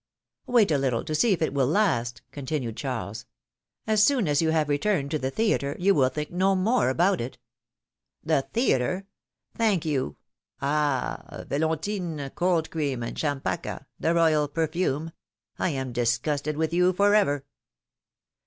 Wait a little, to see if it will last,'^ continued Charles. ^^As soon as you have returned to the theatre, you will think no more about it.^^ ^'The theatre? Thank you! Ah! Velontine, Cold Cream, and Champaka — the royal perfume — I am dis gusted with you forever!